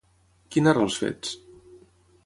Qui narra els fets?